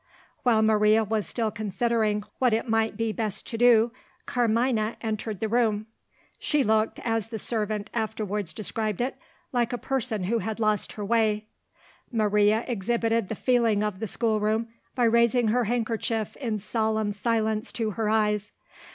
While Maria was still considering what it might be best to do, Carmina entered the room. She looked, as the servant afterwards described it, "like a person who had lost her way." Maria exhibited the feeling of the schoolroom, by raising her handkerchief in solemn silence to her eyes.